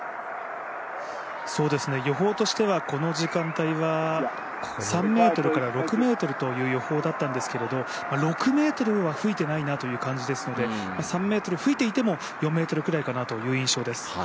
予報としてはこの時間帯は３ｍから６ｍという予報だったんですけど６メートルは吹いていないなという感じですので、３メートル吹いていても４メートルくらいかなという印象です。